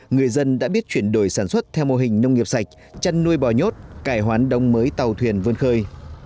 người dân đã biết chuyển đổi sản xuất theo mô hình nông nghiệp sạch chăn nuôi bò nhốt cải hoán đông mới tàu thuyền vươn khơi